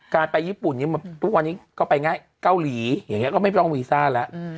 การไปญี่ปุ่นนี้ทุกวันนี้ก็ไปง่ายเกาหลีอย่างนี้ก็ไม่ต้องวีซ่าแล้ว